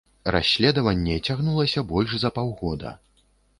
Расследаванне цягнулася больш за паўгода.